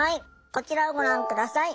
こちらをご覧下さい。